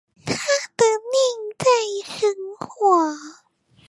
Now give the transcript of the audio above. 他的內在生活